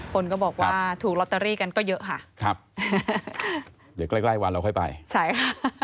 คนก็บอกว่าถูกลอตเตอรี่กันก็เยอะค่ะครับเดี๋ยวใกล้ใกล้วันเราค่อยไปใช่ค่ะ